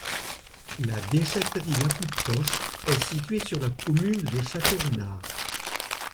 La déchèterie la plus proche est située sur la commune de Château-Renard.